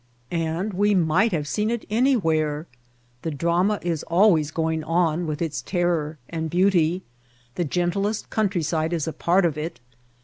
And we might have seen it anywhere! The drama is always going on with its terror and beauty. The gentlest countryside is a part of it.